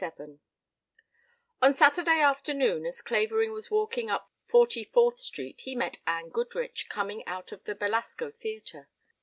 XXVII On Saturday afternoon as Clavering was walking up Forty fourth Street he met Anne Goodrich coming out of the Belasco Theatre.